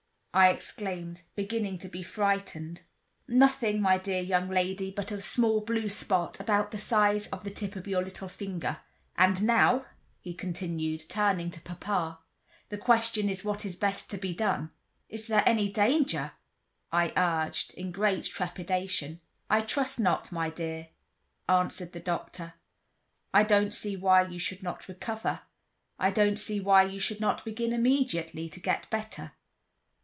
I exclaimed, beginning to be frightened. "Nothing, my dear young lady, but a small blue spot, about the size of the tip of your little finger; and now," he continued, turning to papa, "the question is what is best to be done?" Is there any danger?"I urged, in great trepidation. "I trust not, my dear," answered the doctor. "I don't see why you should not recover. I don't see why you should not begin immediately to get better.